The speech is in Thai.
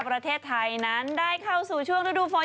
ประเทศไทยนั้นได้เข้าสู่ช่วงฤดูฝน